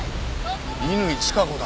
乾チカ子だ。